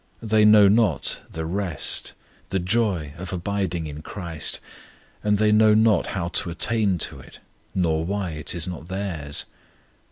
They know not the rest, the joy of abiding in CHRIST; and they know not how to attain to it, nor why it is not theirs.